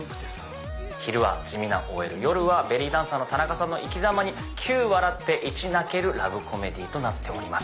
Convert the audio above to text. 昼は地味なＯＬ夜はベリーダンサーの田中さんの生きざまに９笑って１泣けるラブコメディーとなっております。